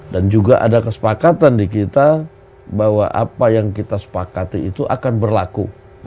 dan juga ada kesepakatan di kita bahwa apa yang kita sepakati itu akan berlaku